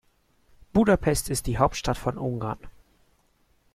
Budapest ist die Hauptstadt von Ungarn.